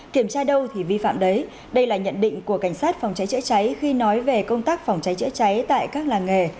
kiểm tra đâu thì vi phạm đấy đây là nhận định của cảnh sát phòng cháy chữa cháy khi nói về công tác phòng cháy chữa cháy tại các làng nghề